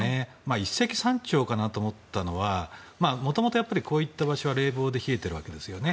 一石三鳥かなと思ったのは元々やっぱりこういった場所は冷房で冷えているわけですよね。